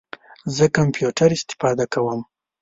زه کمپیوټر استفاده کوم